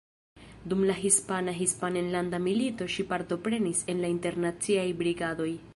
Dum la hispana Hispana Enlanda Milito ŝi partoprenis en la Internaciaj Brigadoj.